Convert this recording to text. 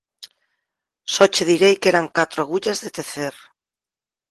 Só che direi que eran catro agullas de tecer.